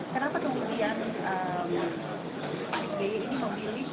kenapa kemudian pak sby ini memilih